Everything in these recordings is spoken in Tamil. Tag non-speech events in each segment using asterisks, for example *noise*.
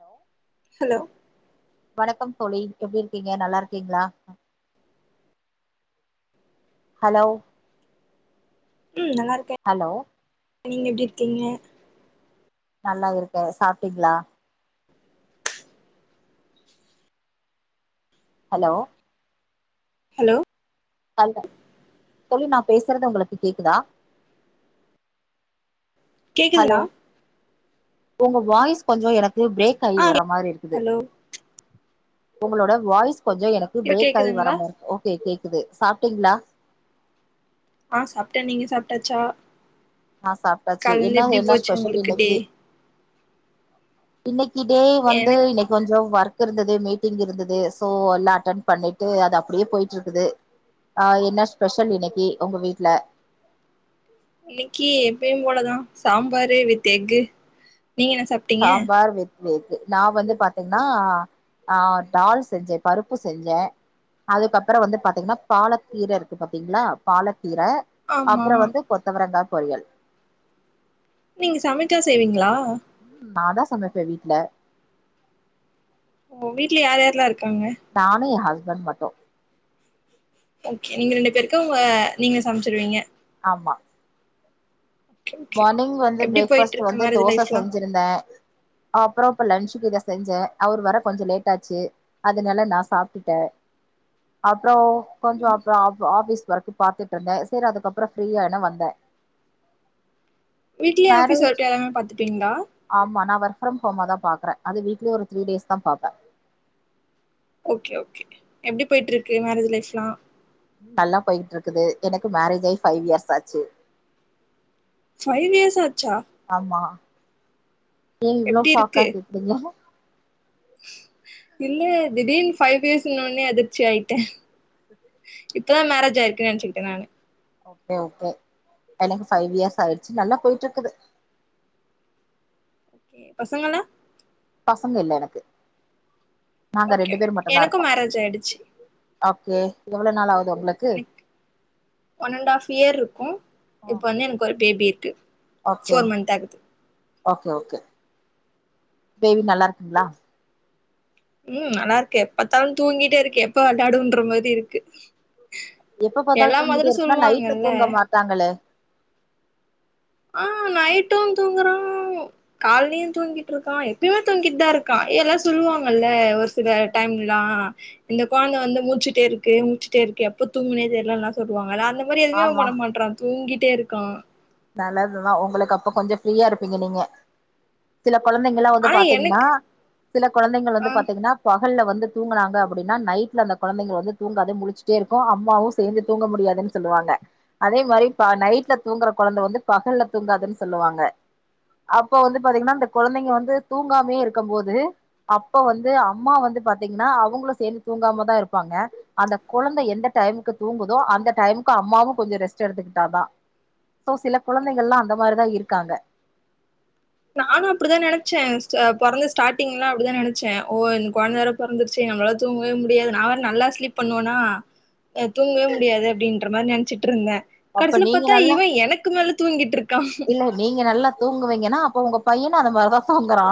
ஹலோ ஹலோ வணக்கம் தோழி எப்டி இருக்கீங்க நல்லா இருக்கீங்களா ஹலோவ் ம் நல்லா இருக்கே ஹலோ நீங்க எப்டி இருக்கீங்க நல்லா இருக்கே சாப்டிங்களா ஹலோ ஹலோ கல்ல தோழி நா பேசுறது உங்களுக்கு கேக்குதா ஹலோ கேக்குதுங்களா உங்க வாய்ஸ் கொஞ்சோ எனக்கு பிரேக் கை ஆ வர மாரி இருக்குது ஹலோ உங்களோட வாய்ஸ் கொஞ்சோ எனக்கு ஐயோ பிரேக் ஆயி வர கேக்குதுங்களா மா ஓகே கேக்குது சாப்டீங்களா ஆ சாப்ட நீங்க சாப்ட்டாச்சா ஆ சாப்ட்டாச்சு கால்லேந்து என்ன எப்டி என்ன போச்சு ஸ்பெஷல் உங்களுக்கு டே இன்னைக்கு இன்னைக்கு டே வந்து எனக்கு இனை கொஞ்சோ ஒர்க் இருந்தது மீட்டிங் இருந்தது சோ எல்லா அட்டன்ட் பண்ணிட்டு அது அப்டியே போயிட்ருக்குது ஆ என்ன ஸ்பெஷல் இன்னைக்கு உங்க வீட்ல இன்னைக்கு எப்பயு போலதா சாம்பாரு வித் எக்கு நீங்க என்ன சா சாம்பார் வித் நா வந்து பாத்தீங்னா ஆ டால் செஞ்ச பருப்பு செஞ்ச அதுக்கப்றோ வந்து பாத்தீங்னா பாலக்கீர இருக்கு பாத்தீங்களா பாலக்கீர ஆமா அப்றோ வந்து கொத்தவரங்கா பொரியல் நீங்க சமைக்க செய்வீங்களா ம் நா தா சமைப்பே வீட்ல ஓ வீட்ல யார் யார்லா இருக்காங்க நானு எ ஹஸ்பண்ட் மட்டு ஓகே நீங்க ரெண்டு பேர்க்கு உங்க நீங்ளே சமச்சிருவீங்க ஆமா ஓகே ஓகே மார்னிங் வந்து எப்டி பிரேக் போயிட்டு ஃபஸ்ட் இருக்கு வந்து மேரேஜ் தோச லைஃப்லா செஞ்சிருந்தே அப்றோ இப்ப லன்ஞ்சுக்கு இத செஞ்ச அவர் வர கொஞ்சோ லேட்டாச்சு அதுனால நா சாப்ட்டே அப்றோ கொஞ்சோ அப்றோ ஆப் ஆஃபீஸ் ஒர்க்கு பாத்துட்ருந்தே சேரி அதுக்கப்றோ ஃப்ரீயான வந்தே வீட்லியே ஆஃபிஸ் மேரேஜ் ஒர்க்கு எல்லாமே பாத்துப்பிங்ளா ஆமா நா ஒர்க் ஃப்ரம் ஹோமாதா பாக்குறே அது வீட்லே ஒரு த்ரீ டேஸ் தா பாப்பே ஓகே ஓகே எப்டி போய்ட்ருக்கு மேரேஜ் லைஃப்லா நல்லா போயிட்ருக்குது எனக்கு மேரேஜ் ஆயி ஃபைவ் இயர்ஸ் ஆச்சு ஃபைவ் இயர்ஸ் ஆச்சா ஆமா ஏ இவ்ளோ எப்டி ஷாக்கா இருக்கு கேக்றீங்க இல்ல திடீர்னு ஃபைவ் இயர்ஸ் இன்னொன்னே அதிர்ச்சி ஆயிட்டே இப்பதா மேரேஜ் ஆயிர்க்குனு நெனச்சுக்கிட்டே நானு ஓகே ஓகே எனக்கு ஃபைவ் இயர்ஸ் ஆயிர்ச்சு நல்லா போயிட்ருக்குது ஓகே பசங்களா பசங்க இல்ல எனக்கு நாங்க ஓகே ரெண்டு பேர் மட்டுந்தா எனக்கு இருக்கோ மேரேஜ் ஆயிடுச்சு ஓகே எவ்ளோ நாள் ஆகுது உங்ளுக்கு எனக்கு ஒன் அண்ட் ஆஃப் இயர் இருக்கு இப்ப வந்து எனக்கு ஒரு பேபி இருக்கு ஓகே ஃபோர் மந்த் ஆகுது ஓகே ஓகே பேபி நல்லாருக்குங்ளா ம் நல்லார்க்கு எப்பத்தாலு தூங்கிட்டே இருக்கு எப்ப வெள்ளாடுன்ற மாரி இருக்கு எப்ப பாத்தாலு எல்லா தூங்கிட்டே மதரு இருக்குனா நைட்ல சொல்லுவாங்கல்ல தூங்க மாட்டாங்களே ஆ நைட்டு தூங்குறா கால்லியு தூங்கிட்ருக்கா எப்பிமே தூங்கிட்தா இருக்கா எல்லா சொல்லுவாங்கல்ல ஒரு சில டைம்லா இந்த கொழந்த வந்து மூச்சிட்டே இருக்கு மூச்சிட்டே இருக்கு எப்ப தூங்குனே தெர்லன்லா சொல்லுவாங்கல அந்த மா அது மாரி எதுமே அவே ஆமா பண்ண மாட்றா தூங்கிட்டே இருக்கா நல்லதுதா உங்குளுக்கு அப்ப கொஞ்சோ ஃப்ரீயா இருப்பீங்க நீங்க சில கொழந்தைங்ளா வந்து ஆனா பாத்தீங்னா எனக்கு சில கொழந்திங்கள் ஆ வந்து பாத்தீங்னா பகல்ல வந்து தூங்குனாங்க அப்டின்னா நைட்ல அந்த கொழந்தங்க வந்து தூங்காது முழுச்சிட்டே இருக்கு அம்மாவு சேந்து தூங்க முடியாதுன் சொல்லுவாக அதே மாரி பா நைட்ல தூங்குற கொழந்த வந்து பகல்ல தூங்காதுன் சொல்லுவாங்க அப்போ வந்து பாத்தீங்னா அந்த கொழந்தைங்க வந்து தூங்காமே இருக்கம்போது அப்ப வந்து அம்மா வந்து பாத்தீங்னா அவுங்களு சேந்து தூங்காம தா இருப்பாங்க அந்த குழந்த எந்த டைமுக்கு தூங்குதோ அந்த டைமுக்கு அம்மாவு கொஞ்சோ ரெஸ்ட் எடுத்துக்குட்டாதா சோ சில குழந்தைங்கல்லா அந்த மாரிதா இருக்காங்க நானு அப்டிதா நெனச்சே ஸ்ட அ பொறந்த ஸ்டார்டிங்ல அப்டிதா நெனச்சே ஓ இந் கொழந்த வேற பொறந்துர்ச்சே நம்ளால தூங்கவே முடியாது நா வேற நல்லா ஸ்லீப் பண்ணுவனா எ தூங்கவே முடியாது அப்டின்ற மாரி நெனச்சிட்ருந்தே அப்ப கடைசில நீங்க பாத்தா நல்ல இவே எனக்கு மேல தூங்கிட்ருக்கா இல்ல நீங்க நல்லா தூங்குவீங்கனா அப்போ ஒங்க பையனு அத மாரிதா தூங்குறா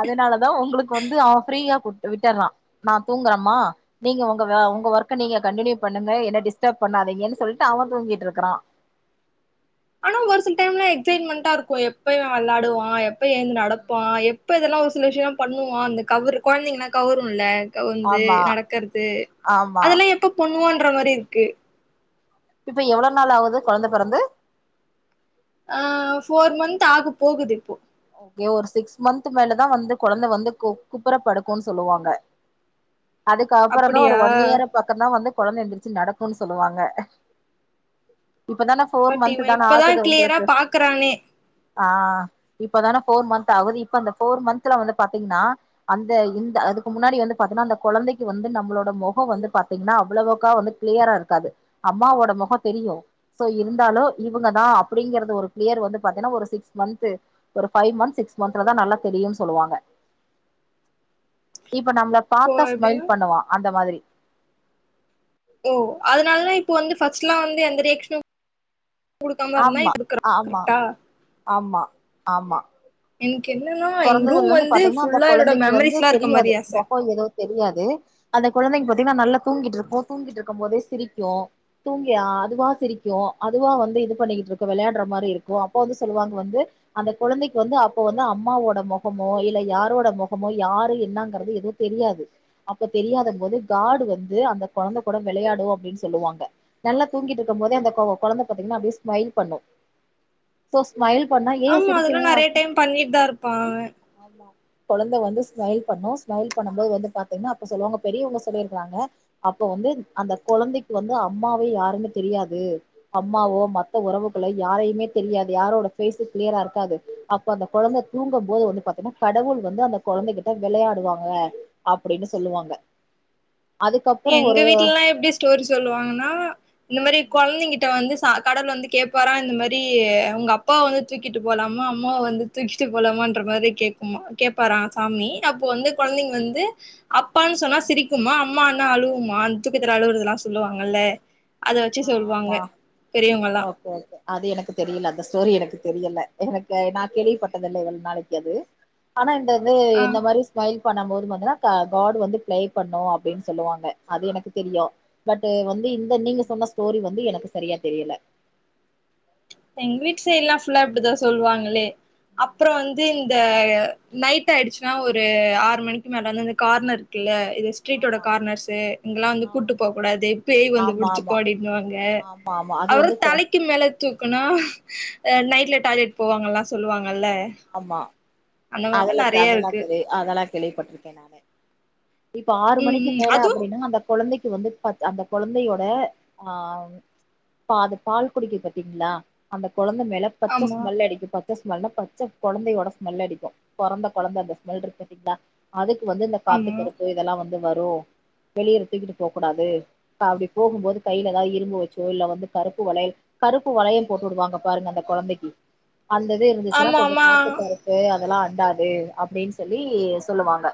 அதனால தான் உங்குளுக்கு வந்து அவ ஃப்ரீயா கொ விட்டுர்றா நா தூங்குறம்மா நீங்க உங்க வே உங்க ஒர்க்க நீங்க கண்டினியூ பண்ணுங்க என்ன டிஸ்டப பண்ணாதீங்கன்னு சொல்ட்டு அவே தூங்கிட்ருக்குறா ஆனா ஒரு சில டைம்ல எக்ஸைட்மெண்டா இருக்கு எப்ப இவ விளாடுவா எப்ப எழுந் நடப்பா இப்ப இதெல்லா ஒரு சில விஷ்யல்லா பண்ணுவா அந்த கவர் குழந்தைங்கன்னா கவரும்ல்ல வந்து ஆமா நடக்கறது ஆமா அதெல்லா எப்ப பண்ணுவான்ற மாரி இருக்கு இப்ப எவ்ள நாள் ஆகுது கொழந்த பொறந்து ஆ ஃபோர் மந்த் ஆக போகுது இப்போ ஓகே ஒரு சிக்ஸ் மந்த் மேலதா வந்து கொழந்த வந்து குப்பற படுக்குன் சொல்லுவாங்க அதுக்க அப்புறமு ஒரு அப்படியா ஒன் இயர் பக்கம்தா வந்து கொழந்த எந்திரிச்சு நடக்குன் சொல்லுவாங்க இப்பதான ஃபோர் பட் இவ மந்த் தானே இப்பதா ஆகுது கிளியரா உங்களுக்கு பாக்குறானே ஆ இப்பதான ஃபோர் மந்த் ஆகுது இப்ப அந்த போர் மந்த்தல வந்து பாத்தீங்கன்னா அந்த இந்த அதுக்கு முன்னாடி வந்து பாத்தீங்கன்னா அந்த கொழந்தைக்கு வந்து நம்மளோட மொகோ வந்து பாத்தீங்கன்னா அவ்வளவுக்கா வந்து கிளியரா இருக்காது அம்மாவோட மொக தெரியு கிளியரா இருக்காது சோ இருந்தாலு இவங்கதா அப்படிங்கறது ஒரு பிளியர் வந்து பாத்தீங்கன்னா ஒரு சிக்ஸ் மந்த்து ஒரு ஃபைவ் மந்த் சிக்ஸ் மந்த்லதா நல்லா தெரியுன் சொல்லுவாங்க இப்ப நம்மள இப்போ பாத்தா ஸ்மைல் எப்டின்னா பண்ணுவா அந்த மாதிரி ஓ அதனாலதா இப்ப வந்து ஃபர்ஸ்ட்லா வந்து எந்த ரியாக்ஷன்னு குடுக்காம இருந்த ஆமா இப்ப குடுக்கற ஆமா கரெக்டா ஆமா ஆமா எனக் என்னன்னா எங்க ரூம் பொறந்ததுல இருந்து வந்து பாத்தீங்ன்னா அந்த ஃபுல்லா என்னோட குழந்தைக்கு வந்து மெமரிஸ்லா இருக்க மாரி தெரியாது ஆச கோ ஏதோ தெரியாது அந்த குழந்தைங் பாத்தீங்கன்னா நல்லா தூங்கிட்டு இருக்கு தூங்கிட்டு இருக்கும் போதே சிரிக்கு தூங்கியா அதுவா சிரிக்கு அதுவா வந்து இது பண்ணிக்கிட்டு இருக்கு விளையாடுற மாரி இருக்கு அப்ப வந்து சொல்லுவாங்க வந்து அந்த குழந்தைக் வந்து அப்போ வந்து அம் மாவோட மொகமோ இல்ல யாரோட மொகமோ யாரு என்னங்கறிறது எது தெரியாது அப்ப தெரியாத போது காடு வந்து அந்த கொழந்த கூட வெளையாடு அப்டின் சொல்லுவாங்க நல்லா தூங்கிட்டு இருக்கும் போதே அந்த கொ கொழந்த பாத்தீங்கன்னா அப்படியே ஸ்மைல் பண்ணு சோ ஸ்மைல் பண்ணா ஏ சிரிக்கிறா பண்ணிட் தா இருப்பா அவ ஆமா கொழந்த வந்து ஸ்மைல் பண்ணு ஸ்மைைல் பண்ணும் போது வந்து பாத்தீங்கன்னா அப்ப சொல்லுவாங்க பெரியவங்க சொல்லியிருக்கறாங்க அப்ப வந்து அந்த கொழந்தைக் வந்து அம்மாவே யாருன் தெரியாது அம்மாவோ மத்த உறவுகளோ யாரையுமே தெரியாது யாரோட பேஸ்சு கிளியரா இருக்காது அப்ப அந்த கொழந்த தூங்கு போது வந்து பாத்தீன்னா கடவுள் வந்து அந்த கொழந்தைகிட்ட வெளையாடுவாங்க அப்டின்னு சொல்லுவாங்க அதுக்கப்புறோ எங்க ஒரு வீட்லல்லா எப்டி ஸ்டோரி சொல்லுவாங்கன்னா இந்த மாரி கொழந்திங்கிட்ட வந்து கடவுள் வந்து கேட்பாரா இந்த மாரி உங்க அப்பாவ வந்து தூக்கிட்டு போலாமா அம்மாவ வந்து தூக்கிட்டு போலாமான்ற மாரி கேக்கும்மா கேப்பாரா சாமி அப்போ வந்து கொழந்தைங் வந்து அப்பான் சொன்னா சிரிக்குமா அம்மான் னா அழுவுமா தூக்கத்துல ஆழுவுறதல்லா சொல்லுவாங்கல்ல அத வச்சு ஆ சொல்லுவாங்க ஆமா பெரியவங்கல்லா ஓ ஓகே அது எனக்கு தெரியல அந்த ஸ்டோரி எனக்கு தெரியல எனக்கு நா கேள்விப்பட்டதில்ல எவ்வளவு நாளைக்கு அது ஆனா இந்த அது ஆ இந்த மாரி மயில் பண்ண போது வந்துன்னா காட் வந்து ப்ளே பண்ணு அப்படின் சொல்லுவாங்க அது எனக்கு தெரியு பட்டு வந்து இந்த நீங்க சொன்ன ஸ்டோரி வந்து எனக்கு சரியா தெரியல எங் வீட்டு சைல்லா ஃபுல்லா இப்படிதா சொல்லுவாங்களே அப்புற வந்து இந்த நைட் ஆயிடுச்சுன்னா ஒரு ஆறு மணிக்கு மேல வந்து கார்னர் இருக்குல்ல இது ஸ்ட்ரீட்டோட ஆமா கார்னர்ஸ்ஸூ இங்கலா வந்து ஆமா கூட்டு போ கூடாது பேய் வந்து ஆமா ஆமா புடிச்சுக்கோ அப்டின்னுவாங்க ஆமா ஆமா அது அவர் வந்து கொ தலக்கி மேல கொன்னா நைட்ல டாய்லெட் போவாங்கல்லா சொல்லுவாங்கல்ல அமா அந்த மாரிலா அதெல்லாம் தெ நெறைய அதெல்லா இருக்கு தெரி அதெல்லா கேள்விப்பட்ருக்கே நானு இப்ப ஆறு ம் மணிக்கு ம் மேல அதுவு அப்டின்னா அந்த கொழந்தைக்கு வந்து பத் அந்த கொழந்தையோட ஆ பாது பால் குடிக்கி பாத்தீங்ளா அந்த கொழந்த மேல பச்ச ஆமா ஸ்மெல் அடிக்கும் பச்ச ஸ்மெல்ன்னா பச்ச கொழந்தையோட ஸ்மெல் அடிக்கும் பொறந்த கொழந்த அந்த ஸ்மெல் இருக்திட்டீங்ளா அதுக்கு வந்து இந்த காத்து ஆமா கருப்பு இதெல்லா வந்து வரும் வெளிய எத்துக்கிட்டு போக்கூடாது அப்டி போகும்போது கைல எதா இரும்பு வச்சோ இல்ல வந்து கருப்பு வளையல் கருப்பு வளையல் போட்டு உடுவாங்க பாருங்க அந்த கொழந்தைக்கி அந்தது இருந்துச்சின்னா ஆமா கொஞ்ச ஆமா கருப்பு அதெல்லா அண்டாது அப்டின் சொல்லி சொல்லுவாங்க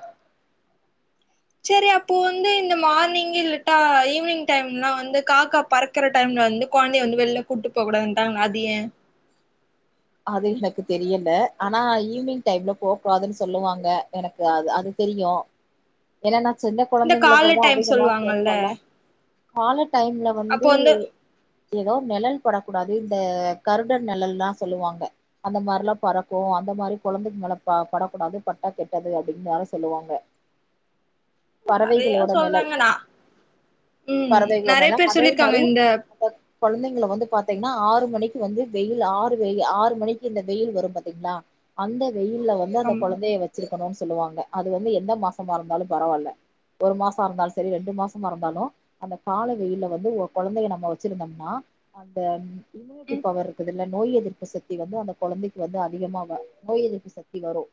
ச்சேரி அப்பு வந்து இந்த மார்னிங் இல்லட்டா ஈவினிங் டைம்லாம் வந்து காக்கா பறக் க்கிற டைம்ல வந்து கொழந்தய வந்து வெள்ல கூட்டு போ கூடாதுன்ட்டாங் அது ஏ அது எனக்கு தெரியல ஆனா ஈவினிங் டைம்ல போ குடாதுன்னு சொல்லுவாங்க எனக்கு அது அது தெரியு ஏன்னா நா சின்ன இந்த கொழந்தைங்கள கால்ல கூட டைம் அதிகமா ஸ்பென் சொல்லுவாங்கல்ல பண்ணு கால டைம்ல வந்து எதோ நெழல் படக் கூடாது இந்த கருடன் நெழல்லா சொல்லுவாங்க அந்த மாரில்லா பறக்கு அந்த மாரி கொழந்தைங் மேல ப படக்கூடாது பட்டா கெட்டது அப்டின்னுதால சொல்லுவாங்க நெறைய பறவைகளோட நெழல் சொல்றாங்க நா ம் பறவைகளோட நெறைய *unintelligible* பேர் அதே சொல்லிருக்காங்க மாரி இந்த அந்த கொழந்தைங்கள வந்து பாத்தீங்ன்னா ஆறு மணிக்கு வந்து வெயில் ஆறு வெயில் ஆறு மணிக்கு இந்த வெயில் வரும் பாத்தீங்ளா அந்த வெயில்ல வந்து அந்த ஆமா கொழந்தைய வச்சிருக்கணும்னு சொல்லுவாங்க அது வந்து எந்த மாசமா இருந்தாலும் பரவால்ல ஒரு மாசொருந்தாலு செரி ரெண்டு மாசமா இருந்தாலு அந்த கால வெயில்ல வந்து ஒ கொழந்தைய நம்ம வச்சிருந்தம்னா அந்த இம்யூனிட்டி ம் பவர் இருக்குதுல்ல நோய் எதிர்ப்பு சக்தி வந்து அந்த கொழந்தைக்கு வந்து அதிகமா வ நோய் எதிர்ப்பு சக்தி வரும்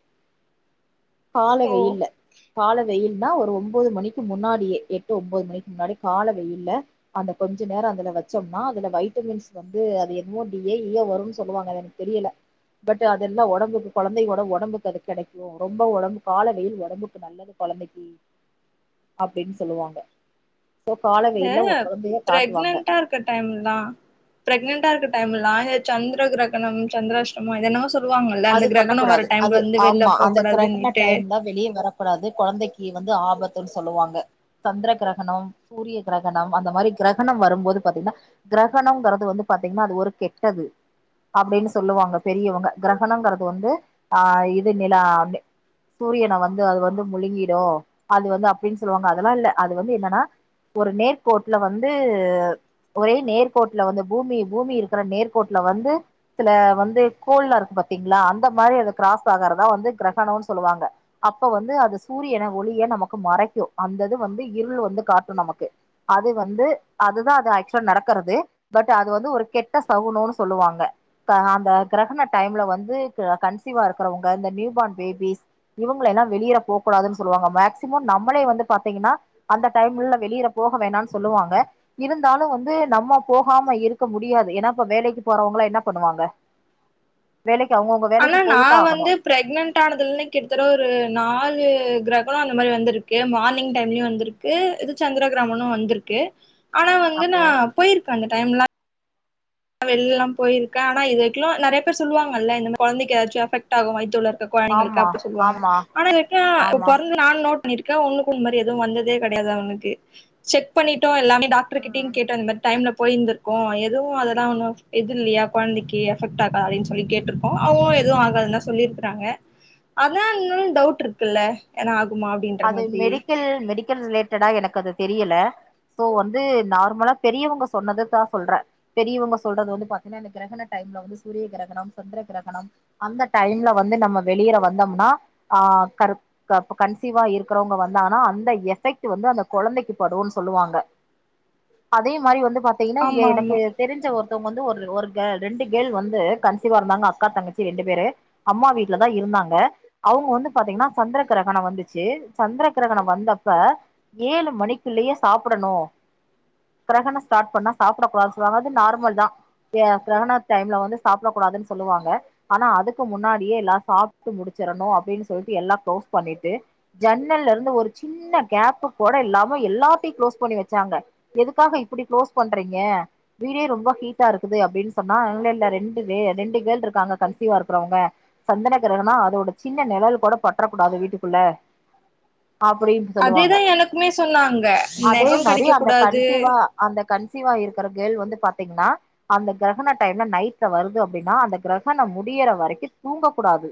கால ஓ வெயில்ல கால வெயில்னா ஒரு ஒம்போது மணிக்கு முன்னாடியே எட்டு ஒம்போது மணிக்கு முன்னாடி கால வெயில்ல அந்த கொஞ்ச நேர அதுல வச்சோம்னா அதுல வைட்டமின்ஸ் வந்து அது என்னவோ டி ஏ ஈயோ வருன்னு சொல்லுவாங்க அது எனக்கு தெரியல பட் அதெல்லா ஒடம்புக்கு கொழந்தையோட ஒடம்புக்கு அது கெடைக்கு ரொம்ப ஒடம் காலவெயில் ஒடம்புக்கு நல்லது கொழந்தைக்கி அப்டின் சொல்லுவாங்க சோ காலவெயில்ல ஒ கொழந்தய காட்டுவாங்க டைம்ன்னா ப்ரெக்னன்டா இருக்க டைம்ல்லா ஏ சந்திர கிரகணம் சந்திராஷ்டம என்னன்னா சொல் சொல்லுவாங்கல்ல அந்த அது பண்ணக் கிரகணம் வர கூடாது டைம் அது வந்து வெள்ல ஆமா போ அந்த கிரகண கூடாதுன்னிட்டு டைம்ல வெளிய வர குடாது கொழந்தைக்கு வந்து ஆபத்துன் சொல்லுவாங்க சந்திர கிரகணம் சூரிய கிரகணம் அந்த மாரி கிரகணம் வரும்போது பாத்தீங்கன்னா கிரகணம்ங்கறது வந்து பாத்தீங்ன்னா அது ஒரு கெட்டது அப்டின்னு சொல்லுவாங்க பெரியவங்க கிரகணங்கறது வந்து ஆ இது நிலா சூரியன வந்து அது வந்து முழுங்கிடும் அது வந்து அப்டின்னு சொல்லுவாங்க அதெல்லா இல்ல அது வந்து என்னன்னா ஒரு நேர்க்கோட்ல வந்து ஒரே நேர்கோட்ல வந்து பூமி பூமி இருக்கிற நேர்கோட்ல வந்து சில வந்து கோள்லா இருக் பாத்தீங்ளா அந்த மாரி அது கிராஸ்ட் ஆகறதா வந்து கிரகணோன் சொல்லுவாங்க அப்ப வந்து அது சூரியன ஒளிய நமக்கு மறைக்கு அந்தது வந்து இருள் வந்து காட்டு நமக்கு அது வந்து அதுதா அது ஆக்சல் நடக்கறது பட் அது வந்து ஒரு கெட்ட சகுணோனு சொல்லுவாங்க அந்த கிரகணட் டைம்ல வந்து கன்சீவா இருக்கறவங்க இந்த நியூ பான் பேபிஸ் இவங்கள எல்லா வெளியேற போ கூடாதுன்னு சொல்லுவாங்க மேக்சிமம் நம்மளே வந்து பாத்தீங்கன்னா அந்த டைம்ல வெளியில போக வேணான் சொல்லுவாங்க இருந்தாலு வந்து நம்ம போகாம இருக்க முடியாது ஏன்னாப்ப வேலக்கி போறவங்களா என்ன பண்ணுவாங்க வேலக்கு அவங்கவுங்க ஆனா வேலக்கு நா போயிதா ஆகணு வந்து பிரெக்னன்ட் ஆனதுன்ன கிட்டத்தட்ட ஒரு நாலு கிரகண அந்த மாரி வந்திருக்கு மார்னிங் டைம்லயு வந்திருக்கு இது சந்திரகிரகணமு வந்திருக்கு ஆனா வந்து நா ஓகே போயிருக்க அந்த டைம்லா நா வெளில லாம் போயிருக்க ஆனா இதுவரிக்கு நெறைய பேர் சொல்லுவாங்கல்ல இந்தமாரி கொழந்தக்கு ஏதாச்சு எபட் ஆகு வயித்துள்ள ருக்க கொழந்தங்களுக்கு ஆமா அப்டி சொல்லுவாங்க ஆமா ஆனாக்க ஆமா பொறந்த நா நோட் பண்ணிருக்க ஒன்னுக்கொன் இந் மாரி எதுவு வந்ததே கெடையாது அவனுக்கு செக் பண்ணிட்டோ எல்லாமே டாக்டர்கிட்டயு கேட்டொ இந்த டைம்ல போயிருந்துருக்கோ எதுவு அது நான்னா எதில்லையா கொழந்தக்கி எஃபெக்ட் ஆகா அப்டினு சொல்லி கேட்டிருக்கோ அவங்களு எதுவு ஆகாதுன்தா சொல்லிருக்குறாங்க அதா இன்னு டவுட் இருக்குல்ல ஏனா ஆகுமா அப்டின்ற மாரி ல் மெடிக் கல் ரிலேட்டடா எனக்கு அது தெரியல சோ வந்து நார்மலா பெரியவங்க சொன்னத தா சொல்றே பெரியவங்க சொல்றது வந்து பாத்தீன்னா எனக்கு கிரகண டைம்ல வந்து சூரிய கிரகணம் சந்திர கிரகணம் அந்த டைம்ல வந்து நம்ம வெளியில வந்தோம்னா அ கருப் அப்ப கன்ஸ் கன்சியூவா இருக்கிறவங்க வந்தான அந்த எஃபெக்ட் வந்து அந்த கொழந்தக்கி படுன்னு சொல்லுவாங்க அதே மாரி வந்து பாத்தீங்கன்னா இங்க ஆமா எனக்கு ஆமா தெரிஞ்ச ஒருத்தவங்க வந்து ஒரு ஒரு ரெண்டு கேள் வந்து கன்சிவா இருந்தாங்க அக்கா தங்கச்சி ரெண்டு பேரு அம்மா வீட்டு்ல தா இருந்தாங்க அவங்க வந்து பாத்தீங்னா சந்திர கிரகணம் வந்துச் ச்சி சந்திர கிரகணம் வந்தப்ப ஏழு மணிக்குள்ளயே சாப்புடணு கிரகண ஸ்டார்ட் பண்ண சாப்பிடகூடாதுன் சொல்வாங்க அது நார்மல் தா கிரகணா டைம்ல வந்து சாப்புட கூடாதுன் சொல்வாங்க ஆனா அதுக்கு முன்னாடியே எல்லா சாப்ட்டு முடிச்சிறணு அப்டின்னு சொல்லிட்டு எல்லா க்ளோஸ் பண்ணிட்டு ஜன்னல்ல இருந்து ஒரு சின்ன கேப்பு கூட இல்லாம எல்லாத்தையு க்ளோஸ் பண்ணி வச்சாங்க எதுக்காக இப்டி க்ளோஸ் பண்றீங்க வீடே ரொம்ப ஹீட்டா ருக்குது அப்டின் சொன்னா இல்ல ல்ல ரெண்டு வே ரெண்டு கேள் ருக்காங்க கன்சீவா ருக்குறவங்க சந்ரகிரகனொ அதோட சின்ன நிழல் கூட பட்ற கூடாது வீட்டுக்குள்ள அப்படீன்னு சொல்லுவாங்க அதேதா எனக்குமே சொன்னாங்க அதே நெகோ மாரி கடிக்க அந்த கூடாது கன்சீவா அந்த கன்சீவா இருக்குற கேள் வந்து பாத்தீங்ன்னா அந்த கிரகண டைம்ல நைட்ல வருது அப்டின்னா அந்த கிரகணம் முடியற வரைக்கு தூங்க கூடாது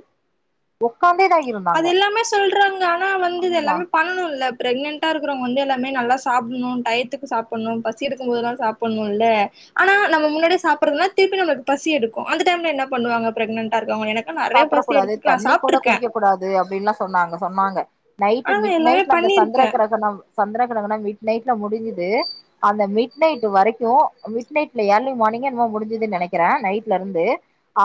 உக்காந்தே தா இருந்தாங்க ல்லாமெ சொல்றாங்க ஆனா வந்து இது ஆமா எல்லாமே பண்ணனுல்ல பிரெக்னன்ட் ட்டா இருக்குறவங்க வந்து எல்லாமே நல்லா சாப்புட்ணு டயத்துக்கு சாப்புட்ணு பசி எடுக்கும்போதுல்லா சாப்புட்ணு ல்ல ஆனா ம் நம்ம முன்னாடி சாப்பறதுன திருப்பி நம்மளுக்கு பசி எடுக்கு அந்த டைம் என்ன பண்ணுவாங்க பிரெக்னன்டா இருக்கவங்க எனக்கு நெறைய சாப்டக் பசி கூடாது எடுத்துருக்கு நா தண்ணி கூட சாப்ட்ருக்க குடிக்க கூடாது அப்டின்லா சொன்னாங்க சொன்னாங்க நைட் ஆனா நா மிட் எல்லாமே நைட்ல அந்த பண்ணிருக்கே சந்திர கிரகணம் சந்திர கிரகணம் மிட் நைட்ல முடிஞ்சுது அந்த மிட் நைட் வரைக்கு மிட் நைட்ல இயர்லி மார்னிங்கா என்னமொ முடிஞ்சுதுன்னு நெனக்கிறே நைட்ல ருந்து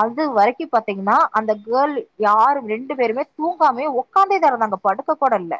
அது வரைக்கு பாத்தெங்கனா அந்த கேர்ள் யாரு ரெண்டு பேருமே தூங்காமே உக்காந்தேதா இருந்தாங்க படுக்ககோட இல்ல